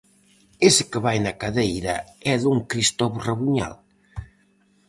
-Ese que vai na cadeira é don Cristovo Rabuñal?